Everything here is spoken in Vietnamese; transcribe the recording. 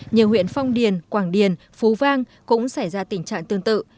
nhiều huyện phong điền quảng điền phú vang cũng xảy ra tình trạng tương tự